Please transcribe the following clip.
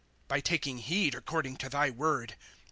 By taking heed according to thy word.